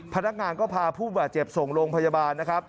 พนักงานก็พาผู้บาดเจ็บส่งโรงพยาบาลนะครับ